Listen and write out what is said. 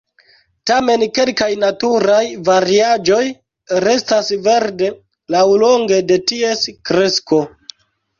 Tamen kelkaj naturaj variaĵoj restas verde laŭlonge de ties kresko.